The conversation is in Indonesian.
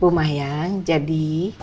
bu mayang jadi